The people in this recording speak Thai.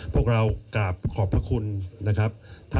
พวกเรากราบขอบพระคุณนะครับ